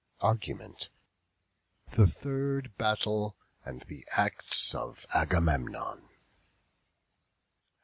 ARGUMENT. THE THIRD BATTLE, AND THE ACTS OF AGAMEMNON.